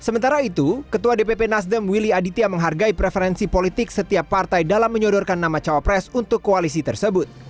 sementara itu ketua dpp nasdem willy aditya menghargai preferensi politik setiap partai dalam menyodorkan nama cawapres untuk koalisi tersebut